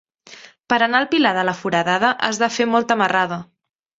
Per anar al Pilar de la Foradada has de fer molta marrada.